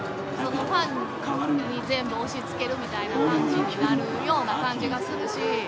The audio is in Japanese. ファンに全部押しつけるみたいな感じになるような感じがするし。